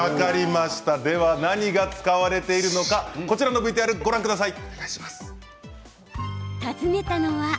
何が使われているのかＶＴＲをご覧ください。